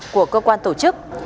của cơ quan tổ chức